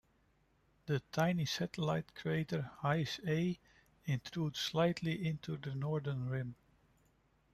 The tiny satellite crater Heis A intrudes slightly into the northern rim.